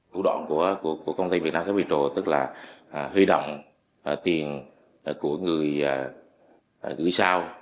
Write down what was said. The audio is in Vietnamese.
thủ đoạn của công ty việt nam capital tức là huy động tiền của người gửi sau